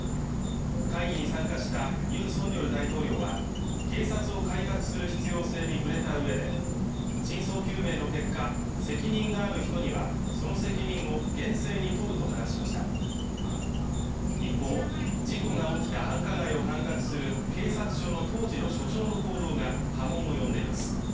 会議に参加したユン・ソンニョル大統領は警察を改革する必要性に触れたうえで真相究明の結果責任がある人にはその責任を厳正に問うと話しました一方、事故が起きた繁華街を管轄する警察署の当時の署長の行動が波紋を呼んでいます